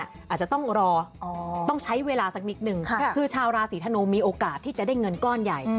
อาจจะต้องรอต้องใช้เวลาสักนิดนึง